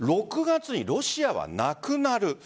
６月にロシアはなくなる？